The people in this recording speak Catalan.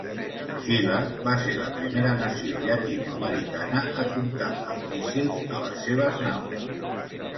Xile va ser la primera nació llatinoamericana a comptar amb míssils a les seves naus.